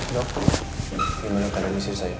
dok gimana keadaan misi saya